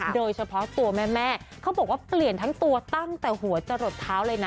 โดยเฉพาะตัวแม่เขาบอกว่าเปลี่ยนทั้งตัวตั้งแต่หัวจะหลดเท้าเลยนะ